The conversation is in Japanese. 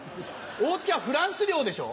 大月はフランス領でしょ？